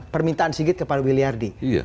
permintaan sigit kepada wilhardi